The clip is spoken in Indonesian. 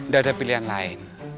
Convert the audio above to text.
gak ada pilihan lain